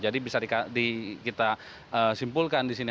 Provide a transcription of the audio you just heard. jadi bisa kita simpulkan di sini